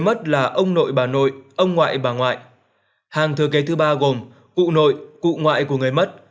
mất là ông nội bà nội ông ngoại bà ngoại hàng thừa kế thứ ba gồm cụ nội cụ ngoại của người mất